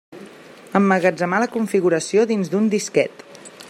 Emmagatzemar la configuració dins d'un disquet.